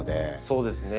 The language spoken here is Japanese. そうですね。